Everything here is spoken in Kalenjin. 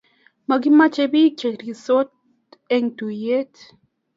Makimache pik cherir tos en tuyet